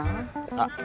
あっ。